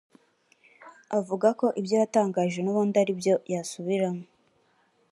avuga ko ibyo yatangaje n’ubundi ari byo yasubiramo